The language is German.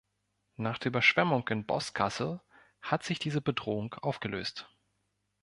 Nach der Überschwemmung in Boscastle hat sich diese Bedrohung aufgelöst.